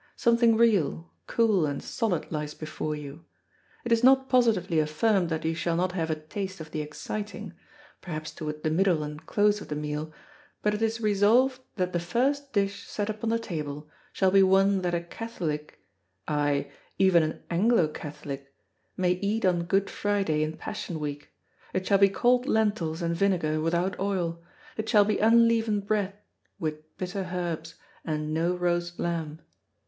Something real, cool, and solid lies before you;... It is not positively affirmed that you shall not have a taste of the exciting, perhaps toward the middle and close of the meal, but it is resolved that the first dish set upon the table shall be one that a Catholic ay, even an Anglo Catholic might eat on Good Friday in Passion Week; it shall be cold lentils and vinegar without oil; it shall be unleavened bread with bitter herbs, and no roast lamb."